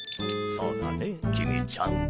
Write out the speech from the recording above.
そうだね公ちゃん。